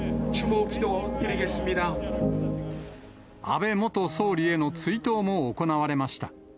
安倍元総理への追悼も行われました。